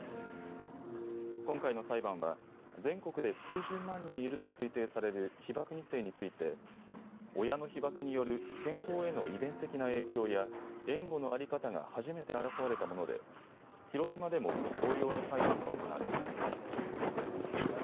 今回の裁判は全国で数十万人いると推定される被爆２世について親の被爆による健康への遺伝的な影響や援護の在り方が初めて争われたもので広島でも同様の裁判が行われています。